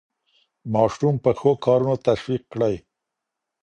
ماشوم په ښو کارونو تشویق کړئ.